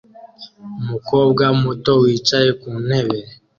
umukobwa muto wicaye ku ntebe